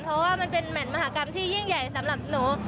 เพราะว่ามันเป็นแมทมหากรรมที่ยิ่งใหญ่สำหรับหนู